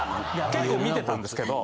結構見てたんですけど。